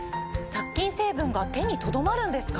殺菌成分が手にとどまるんですか？